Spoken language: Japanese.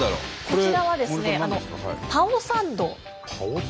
こちらはですねパオサンド？